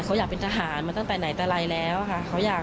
เขาอยากเป็นทหารมาตั้งแต่ไหนแต่ไรแล้วค่ะ